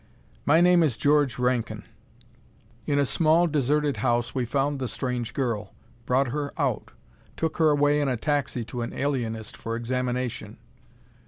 My name is George Rankin. In a small, deserted house we found the strange girl; brought her out; took her away in a taxi to an alienist for examination.